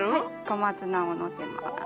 小松菜をのせます。